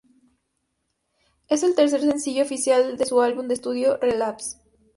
Es el tercer sencillo oficial de su álbum de estudio "Relapse".